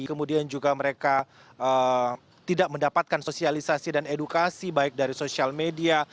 kemudian juga mereka tidak mendapatkan sosialisasi dan edukasi baik dari sosial media